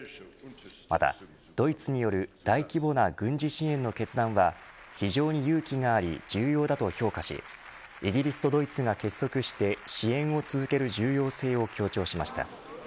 またドイツによる大規模な軍事支援の決断は非常に勇気があり重要だと評価しイギリスとドイツが結束して支援を続ける重要性を強調しました。